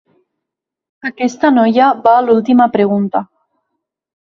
Aquesta noia va a l'última pregunta.